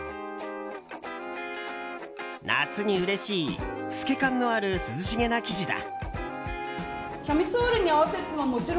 夏にうれしい透け感のある涼しげな生地だ。